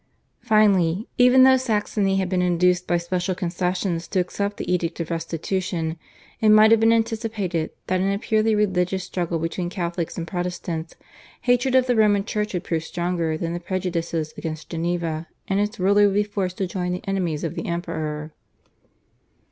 Finally, even though Saxony had been induced by special concessions to accept the Edict of Restitution, it might have been anticipated that in a purely religious struggle between Catholics and Protestants hatred of the Roman Church would prove stronger than the prejudices against Geneva, and its ruler would be forced to join the enemies of the Emperor.